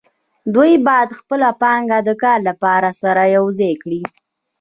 دوی باید خپله پانګه د کار لپاره سره یوځای کړي